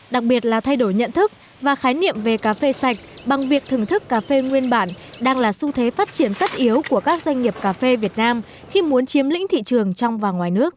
đặc biệt là thay đổi nhận thức và khái niệm về cà phê sạch bằng việc thưởng thức cà phê nguyên bản đang là xu thế phát triển tất yếu của các doanh nghiệp cà phê việt nam khi muốn chiếm lĩnh thị trường trong và ngoài nước